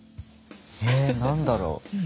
え何だろう。